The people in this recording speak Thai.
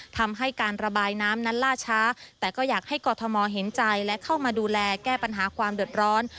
ทำให้การระบายน้ำนั้นล่าช้าแต่ก็อยากให้กรทมเห็นใจและเข้ามาดูแลแก้ปัญหาความเดือดร้อน